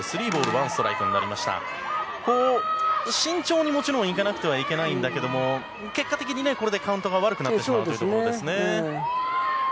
慎重にもちろんいかなくてはいけないんだけども結果的に、これでカウントが悪くなってしまうということで。